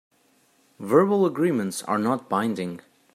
Verbal agreements are not binding.